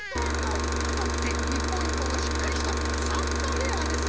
ふとくていっぽんいっぽんがしっかりしたフサフサヘアですね！